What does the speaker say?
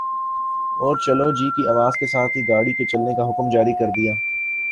اور چلو جی کی آواز کے ساتھ ہی گاڑی کو چلنے کا حکم جاری کر دیا